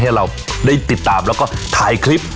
ให้เราได้ติดตามแล้วก็ถ่ายคลิป